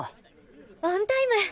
オンタイム。